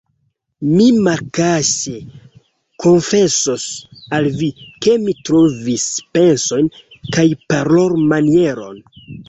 Mi malkaŝe konfesos al vi, ke mi trovis pensojn kaj parolmanieron.